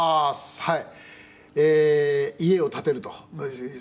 「はい。